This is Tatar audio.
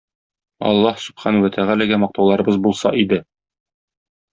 Аллаһ Сүбхәнәһү вә Тәгаләгә мактауларыбыз булса иде!